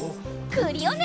クリオネ！